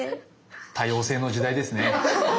多様性の時代ですね。